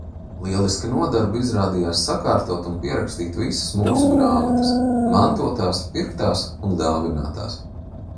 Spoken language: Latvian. Lieliska nodarbe izrādījās sakārtot un pierakstīt visas mūsu grāmatas – mantotās, pirktās un dāvinātās.